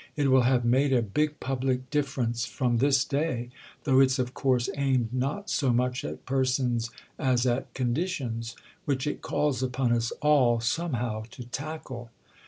It will have made a big public difference—from this day; though it's of course aimed not so much at persons as at conditions; which it calls upon us all somehow to tackle."